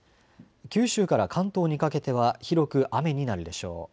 九州から関東にかけては広く雨になるでしょう。